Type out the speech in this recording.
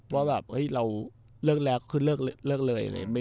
ว่าแบบเฮ้ยเราเลิกแล้วก็เลิกเลย